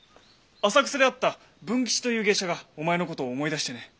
浅草で会った文吉という芸者がお前のことを思い出してね。